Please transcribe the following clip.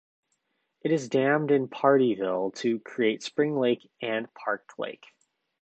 It is dammed in Pardeeville to create Spring Lake and Park Lake.